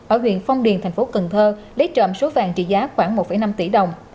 ở huyện phong điền tp cần thơ lấy trộm số vàng trị giá khoảng một năm tỷ đồng